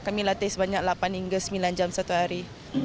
kami latih sebanyak delapan hingga sembilan jam satu hari